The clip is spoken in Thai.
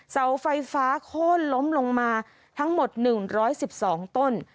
เสาไฟฟ้าโค้นล้มลงมาทั้งหมด๑๑๒ต้น